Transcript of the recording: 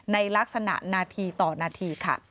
ในลักษณะนาทีต่อนาทีค่ะ